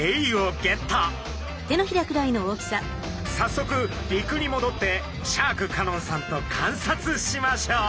さっそく陸にもどってシャーク香音さんと観察しましょう。